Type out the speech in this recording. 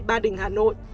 ba đình hà nội